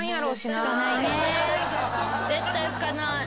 絶対拭かない。